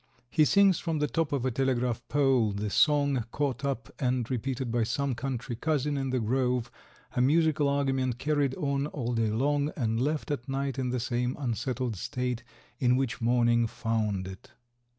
He sings from the top of a telegraph pole, the song caught up and repeated by some country cousin in the grove, a musical argument carried on all day long and left at night in the same unsettled state in which morning found it.